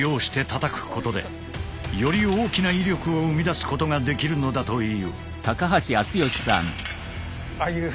より大きな威力を生み出すことができるのだという。